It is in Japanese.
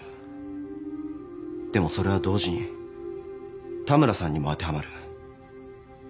でもそれは同時に田村さんにも当てはまる。